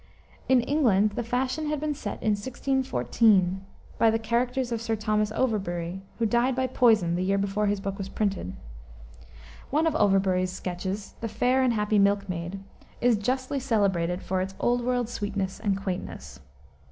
In England the fashion had been set in 1614, by the Characters of Sir Thomas Overbury, who died by poison the year before his book was printed. One of Overbury's sketches the Fair and Happy Milkmaid is justly celebrated for its old world sweetness and quaintness.